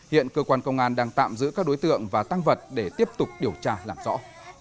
hiện cơ quan công an đang tạm giữ các đối tượng và tăng vật để tiếp tục điều tra làm rõ